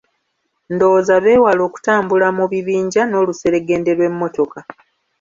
Ndowooza beewale okutambula mu bibinja n'oluseregende lw'emmotoka.